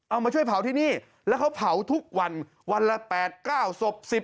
เอามาช่วยเผาที่นี่แล้วเขาเผาทุกวันวันละ๘๙ศพ